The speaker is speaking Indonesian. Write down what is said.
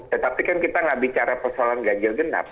tetapi kan kita nggak bicara persoalan ganjil genap